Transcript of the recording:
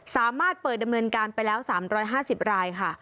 สามารถเปิดดำเนินการไปแล้ว๓๕๐รายค่ะ